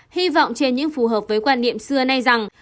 hy vọng trên những phù hợp với quan niệm xưa nay rằng